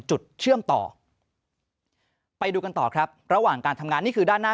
เชื่อมต่อไปกันต่อครับระหว่างการทำงานนี่คือด้านหน้า